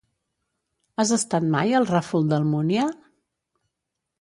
Has estat mai al Ràfol d'Almúnia?